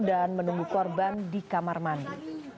dan menunggu korban di kamar mandi